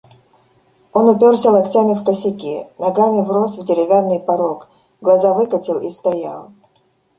Он упёрся локтями в косяки, ногами врос в деревянный порог, глаза выкатил и стоял.